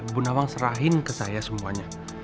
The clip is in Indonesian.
bu nawang serahin ke saya semuanya